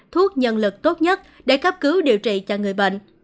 thuốc nhân lực tốt nhất để cấp cứu điều trị cho người bệnh